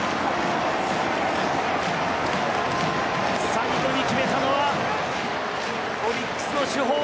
最後に決めたのはオリックスの主砲